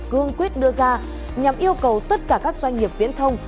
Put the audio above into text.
cương quyết đưa ra nhằm yêu cầu tất cả các doanh nghiệp viễn thông